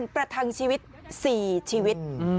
เปรียบรรยายทางชีวิต๔ชีวิต